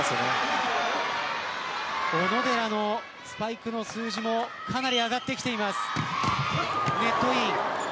小野寺のスパイクの数字もかなり上がってきています。